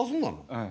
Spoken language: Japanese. はい。